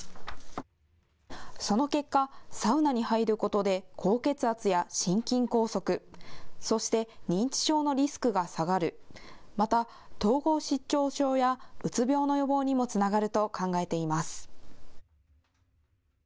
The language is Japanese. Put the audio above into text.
その結果、サウナに入ることで高血圧や心筋梗塞、そして認知症のリスクが下がる、また、統合失調症やうつ病の予防にもつながると考えています。